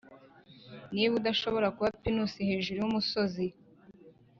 niba udashobora kuba pinusi hejuru yumusozi,